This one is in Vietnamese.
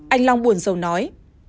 anh long buồn sầu nói